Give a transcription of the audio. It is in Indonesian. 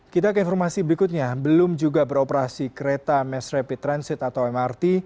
kita ke informasi berikutnya belum juga beroperasi kereta mass rapid transit atau mrt